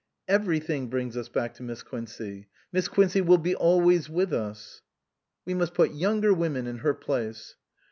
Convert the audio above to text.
" Everything brings us back to Miss Quincey. Miss Quincey will be always with us." " We must put younger women in her place."